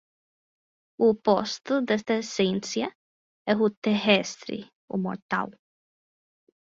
O oposto desta essência é o terrestre, o mortal.